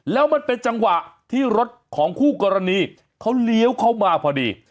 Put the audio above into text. แล้วมันเป็นจังหวะที่รถของคู่กรณีเขาเลี้ยวเข้ามาพอดี